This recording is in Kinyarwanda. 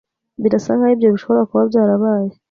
Birasa nkaho ibyo bishobora kuba byarabaye.